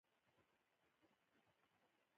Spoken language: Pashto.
د امریکا ولسمشرانو جدي اقدامات وکړل.